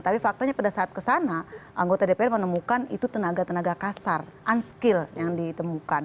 tapi faktanya pada saat kesana anggota dpr menemukan itu tenaga tenaga kasar unskill yang ditemukan